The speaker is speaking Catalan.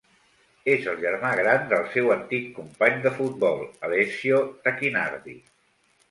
És el germà gran del seu antic company de futbol Alessio Tacchinardi.